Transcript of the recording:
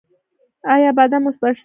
ایا بادام مو پړسیږي؟